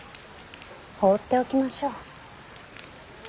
放っておきましょう。